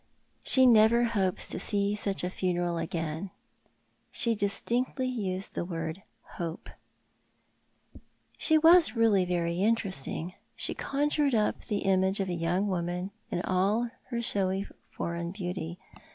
She never hopes to see such a funeral again. She distinctly used the word hope. She was really very interesting. She conjured up the image of the young woman in all her showy foreign beauty.